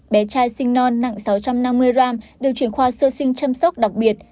bé trai sinh non nặng sáu trăm năm mươi gram được chuyển khoa sơ sinh chăm sóc đặc biệt